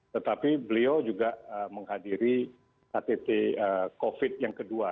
tetapi beliau juga menghadiri ktt covid yang kedua